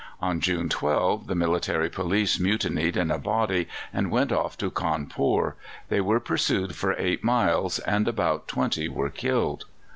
On June 12 the military police mutinied in a body, and went off to Cawnpore; they were pursued for eight miles and about twenty were killed.